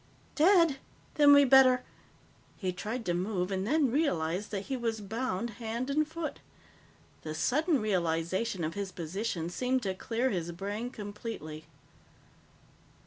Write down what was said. "Dead? Then we'd better " He tried to move and then realized that he was bound hand and foot. The sudden realization of his position seemed to clear his brain completely.